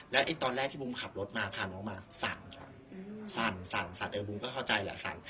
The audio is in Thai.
แล้วตอนแรกที่บุ๋มขับรถมาพาน้องมาสั่นครับสั่นสั่นสั่นเออบุ๋มก็เข้าใจแหละสั่น